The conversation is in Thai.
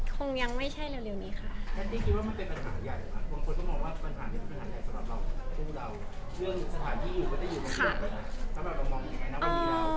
คงยังไม่ใช่เร็วนี้ค่ะ